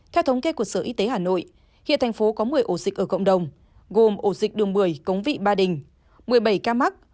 theo thống kê của sở y tế hà nội hiện thành phố có một mươi ổ dịch ở cộng đồng gồm ổ dịch đường bưởi cống vị ba đình một mươi bảy ca mắc